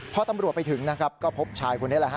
พอตำรวจไปถึงนะครับก็พบชายคนนี้แหละฮ